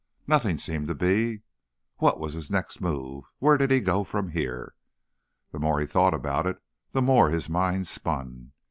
Nothing seemed to be. What was his next move? Where did he go from here? The more he thought about it, the more his mind spun.